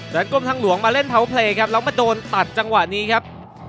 กรมทางหลวงมาเล่นเผาเพลย์ครับแล้วมาโดนตัดจังหวะนี้ครับ